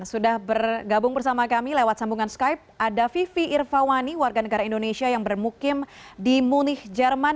sudah bergabung bersama kami lewat sambungan skype ada vivi irvawani warga negara indonesia yang bermukim di munih jerman